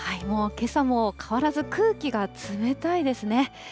もう、けさも変わらず、空気が冷たいですね。